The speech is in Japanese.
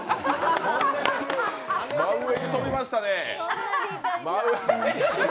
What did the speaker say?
真上に跳びましたね。